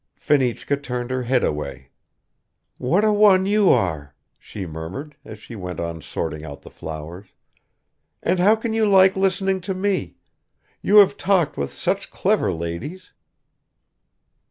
Fenichka turned her head away. "What a one you are!" she murmured, as she went on sorting out the flowers. "And how can you like listening to me? You have talked with such clever ladies."